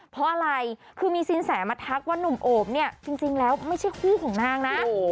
เพราะอะไรคือมีสินแสมาทักว่านุ่มโอบเนี่ยจริงแล้วไม่ใช่คู่ของนางนะ